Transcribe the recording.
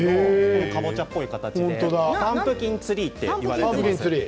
かぼちゃっぽい形なんですけどパンプキンツリーといわれています。